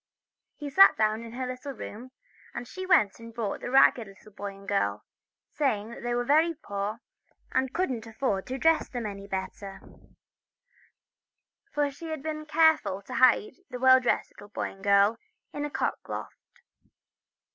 He sat down in her little room, and she went and brought the ragged little boy and girl, saying she was very poor, and couldn't afford to dress them better ; for she had been careful to hide the well dressed little boy and girl in a cockloft.